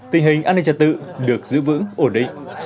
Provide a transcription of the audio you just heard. tình hình an ninh trật tự được giữ vững ổn định